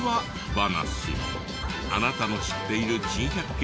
話あなたの知っている珍百景